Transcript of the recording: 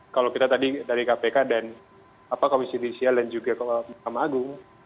kalau kita tadi dari kpk dan komisi judisial dan juga mahkamah agung